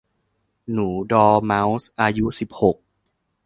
หนูดอร์เมาส์อายุสิบหก